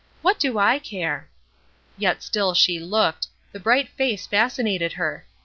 What do I care!" Yet still she looked; the bright face fascinated her.